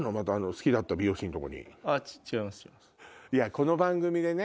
この番組でね